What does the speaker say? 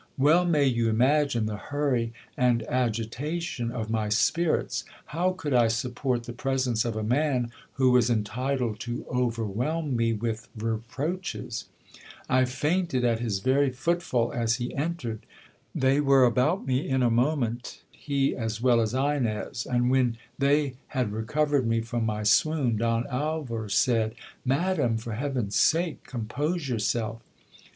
Well may you imagine the hurry and agitation of my spirits. How could I support the presence of a man, who was entitled to overwhelm me with reproaches ? I fainted at his very foot fall as he entered. They were about me in a moment — he as well as Ines ; and when they had recovered me from my swoon, Don Alvar said — Madam, for heaven's sake, compose yourself.